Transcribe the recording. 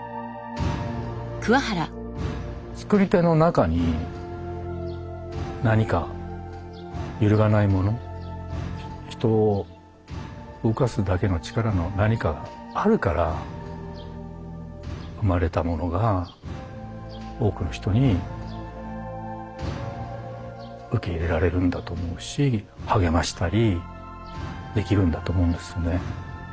作り手の中に何か揺るがないもの人を動かすだけの力の何かがあるから生まれたものが多くの人に受け入れられるんだと思うし励ましたりできるんだと思うんですよね。